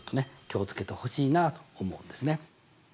気を付けてほしいなと思うんですね。